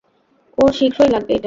ওর শীঘ্রই লাগবে এটা।